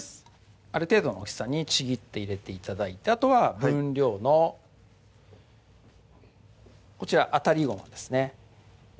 ある程度の大きさにちぎって入れて頂いてあとは分量のこちらあたりごまですね